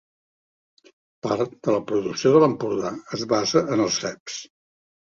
Part de la producció de l'Empordà es basa en els ceps.